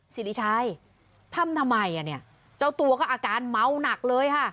สิริชัยทำทำไมอ่ะเนี่ยเจ้าตัวก็อาการเมาหนักเลยค่ะ